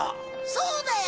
そうだよ